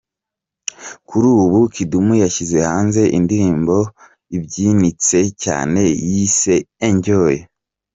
Kuri ubu, Kidum yashyize hanze indirimbo ibyinitse cyane yise "Enjoy".